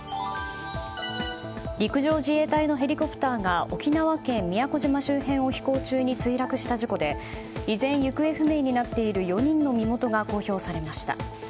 陸上自衛隊のヘリコプターが沖縄県宮古島周辺を飛行中に墜落した事故で依然、行方不明になっている４人の身元が公表されました。